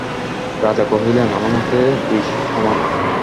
রাজা কহিলেন, আমার মতে দুই সমান।